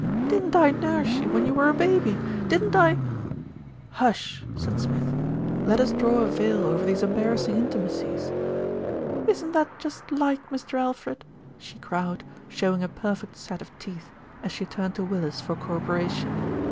"Didn't I nurse you when you were a baby, didn't I " "Hush," said Smith, "let us draw a veil over these embarrassing intimacies." "Isn't that just like Mr. Alfred?" she crowed, show ing a perfect set of teeth, as she turned to Willis for corroboration.